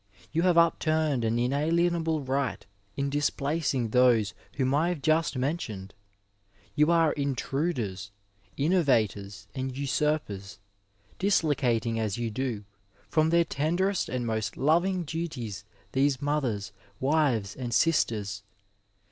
Tou have upturned an inalienable right in displacing those whom I have just mentioned. Tou are intruders, innovators, and usurpers, dislocating, as you do, from their tenderest and most loving duties these mothers, wives and sisters.